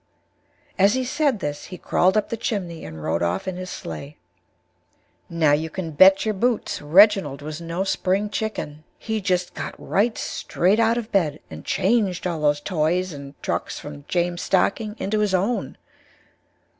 As he said this he Crawled up the chimney and rode off in his Sleigh. Now you can Bet your Boots Reginald was no Spring Chicken. He just Got right Straight out of Bed and changed all those Toys and Truck from James' stocking into his own.